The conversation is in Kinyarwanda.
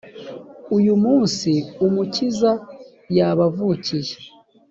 uyu munsi umukiza yabavukiye.